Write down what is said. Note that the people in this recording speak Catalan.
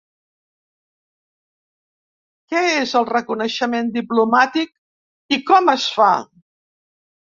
Què és el reconeixement diplomàtic i com es fa?